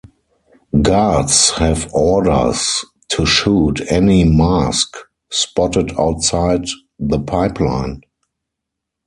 Guards have orders to shoot any "mask" spotted outside the Pipeline.